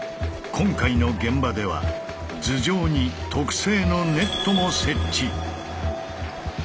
今回の現場では頭上に特製のネットも設置。